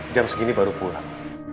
jam segini baru pulang